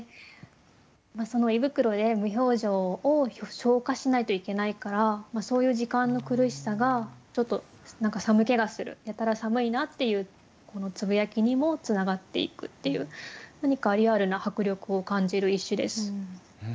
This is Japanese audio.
その胃袋で無表情を消化しないといけないからそういう時間の苦しさがちょっと寒気がする「やたら寒いな」っていうこのつぶやきにもつながっていくっていう何かリアルな迫力を感じる一首です。